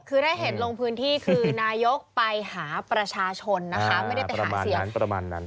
คือได้เห็นลงพื้นที่คือนายกไปหาประชาชนไม่ได้ไปหาเสียง